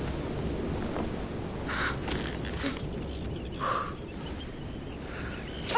はあ。